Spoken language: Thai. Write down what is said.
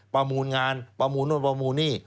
ประมูลงานประมูลนู่นประมูลนี่